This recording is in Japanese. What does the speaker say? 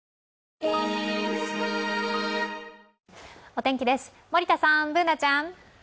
お天気です、森田さん、Ｂｏｏｎａちゃん。